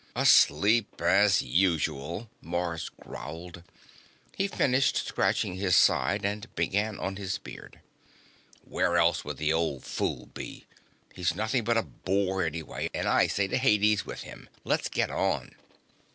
"Asleep, as usual," Mars growled. He finished scratching his side and began on his beard. "Where else would the old fool be? He's nothing but a bore anyway and I say to Hades with him. Let's get on."